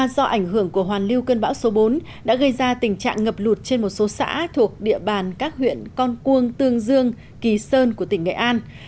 do ảnh hưởng của hoàn lưu cơn bão số bốn đã gây ra tình trạng ngập lụt trên một số xã thuộc địa bàn các huyện con cuông tương dương kỳ sơn của tỉnh nghệ an